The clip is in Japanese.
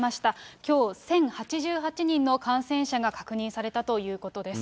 きょう１０８８人の感染者が確認されたということです。